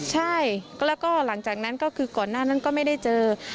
ใช่แล้วก็หลังจากนั้นก็คือก่อนหน้านั้นก็ไม่ได้เจอ